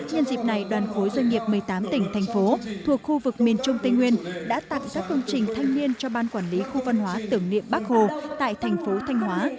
nhân dịp này đoàn khối doanh nghiệp một mươi tám tỉnh thành phố thuộc khu vực miền trung tây nguyên đã tặng các công trình thanh niên cho ban quản lý khu văn hóa tưởng niệm bắc hồ tại thành phố thanh hóa